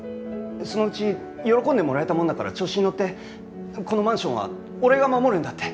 そのうち喜んでもらえたもんだから調子にのってこのマンションは俺が守るんだ！